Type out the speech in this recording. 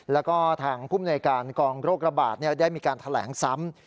แล้วก็ทางภูมิหน่วยการกองโรคระบาดได้มีการแถลงซ้ำ